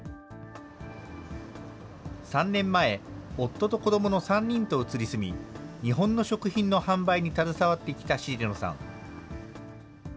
３年前、夫と子どもの３人と移り住み、日本の食品の販売に携わってきた重野さん。